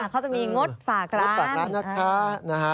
เขาจะมีงดฝากร้าน